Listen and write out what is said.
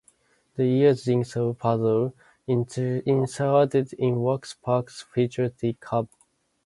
This year's jigsaw puzzle inserted in wax packs featured Ty Cobb.